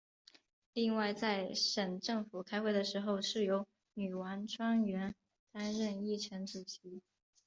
另外在省政府开会的时候是由女王专员担任议程主席。